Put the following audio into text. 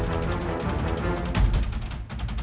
kalian berdua apa lagi